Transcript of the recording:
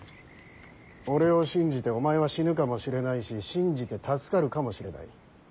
俺を信じてお前は死ぬかもしれないし信じて助かるかもしれない。